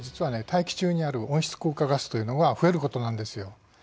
大気中にある温室効果ガスというのが増えることなんですよ。